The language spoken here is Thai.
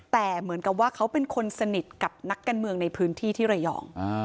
แต่เหมือนกับว่าเขาเป็นคนสนิทกับนักการเมืองในพื้นที่ที่ระยอง